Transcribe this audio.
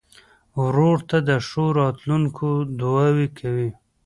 ورور ته د ښو راتلونکو دعاوې کوې.